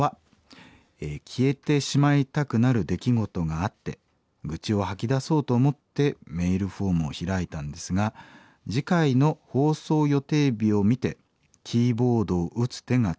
「消えてしまいたくなる出来事があって愚痴を吐き出そうと思ってメールフォームを開いたんですが次回の放送予定日を見てキーボードを打つ手が止まりました。